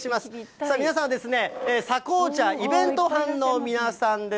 さあ、皆さんですね、狭紅茶イベント班の皆さんです。